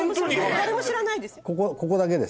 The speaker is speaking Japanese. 誰も知らないですよ。